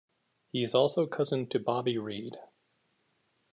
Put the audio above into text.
He is also cousin to Bobby Reid.